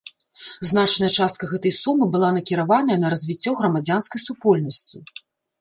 Значная частка гэтай сумы была накіраваная на развіццё грамадзянскай супольнасці.